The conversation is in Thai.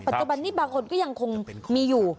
ปัจจุบันนี้บางคนคงแย่มีอยู่